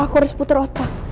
aku harus puter otak